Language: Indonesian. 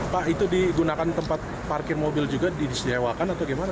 pak itu digunakan tempat parkir mobil juga disediawakan atau gimana